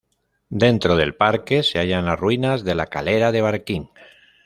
Dentro del parque se hallan las ruinas de la Calera de Barquín.